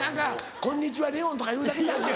「こんにちはレオン」とか言うだけちゃうか？